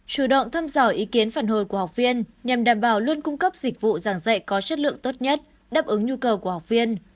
chủ động thăm dò ý kiến phản hồi của học viên nhằm đảm bảo luôn cung cấp dịch vụ giảng dạy có chất lượng tốt nhất đáp ứng nhu cầu của học viên